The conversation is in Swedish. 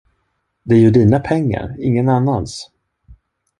Det är ju dina pengar, ingen annans!